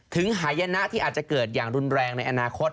หายนะที่อาจจะเกิดอย่างรุนแรงในอนาคต